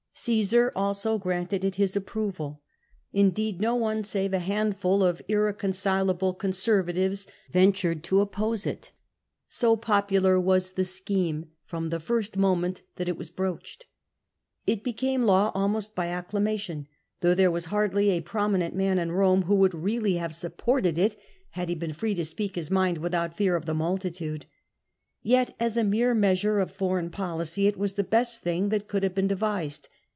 Caesar also granted it his approval. Indeed no one save a handful of irreconcilable Conservatives ventured to oppose it, so popular was the scheme from the first moment that it was broached. It became law almost by acclamation, though there was hardly a prominent man in Borne who would really have supported it had he been free to speak his mind without fear of the multitude. Yet, as a mere measure of foreign policy, it was the best thing that could have been devised.